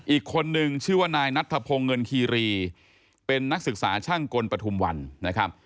อีกคนนึงชื่อว่านายนัทธพงศ์เงินคีรีเป็นนักศึกษาช่างกลปฐุมวันนะครับ